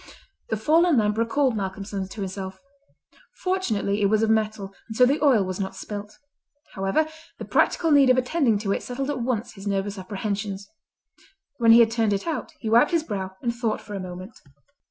The fallen lamp recalled Malcolmson to himself. Fortunately it was of metal, and so the oil was not spilt. However, the practical need of attending to it settled at once his nervous apprehensions. When he had turned it out, he wiped his brow and thought for a moment.